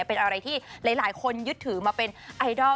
เป็นอะไรที่หลายคนยึดถือมาเป็นไอดอล